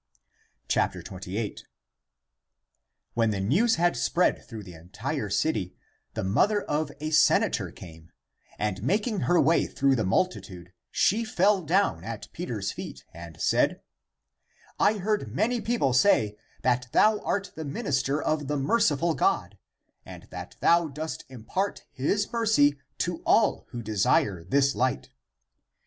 28. When the news had spread through the en tire city, the mother of a senator came, and making her way through the multitude she fell down at Peter's feet and said, " I heard many people say that thou art the minister of the merciful God and that thou dost impart his mercy to all who desire this light.